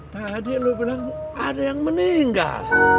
tadi lo bilang ada yang meninggal